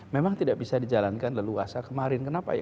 memang tidak bisa dijalankan leluasa kemarin kenapa ya